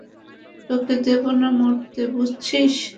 তোকে দেব না মরতে, বুঝেছিস?